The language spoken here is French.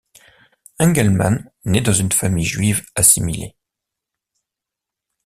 Engelmann naît dans une famille juive assimilée.